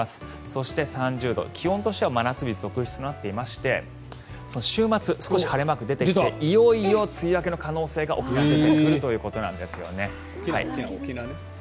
そして、３０度気温としては真夏日続出となっていまして週末、少し晴れマークが出ているのでいよいよ梅雨明けの可能性が沖縄出てくるということなんですね。